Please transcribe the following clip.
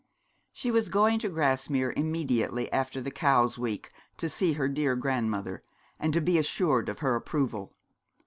She was going to Grasmere immediately after the Cowes week to see her dear grandmother, and to be assured of her approval.